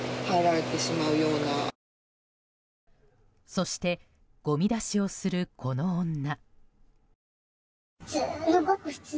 そして、ごみ出しをするこの女。